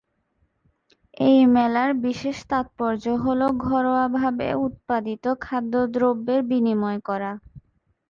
এই মেলার বিশেষ তাৎপর্য হল ঘরোয়া ভাবে উৎপাদিত খাদ্য দ্রব্যের বিনময় করা।